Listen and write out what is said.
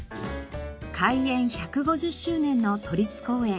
開園１５０周年の都立公園。